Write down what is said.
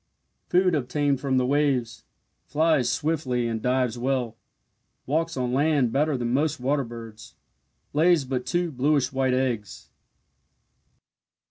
Food obtained from the waves flies swiftly and dives well walks on land better than most water birds. Lays but two bluish white eggs.